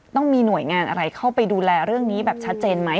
ต้องมีหน่วยงานอะไรเข้าไปดูแลเรื่องนี้แบบชัดเจนไหม